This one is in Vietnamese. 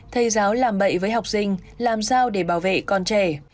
thầy giáo làm bậy với học sinh làm sao để bảo vệ con trẻ